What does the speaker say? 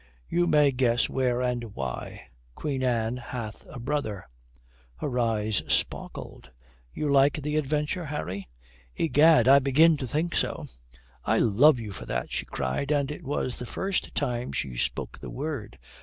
You may guess where and why. Queen Anne hath a brother." Her eyes sparkled. "You like the adventure, Harry?" "Egad, I begin to think so." "I love you for that!" she cried, and it was the first time she spoke the word.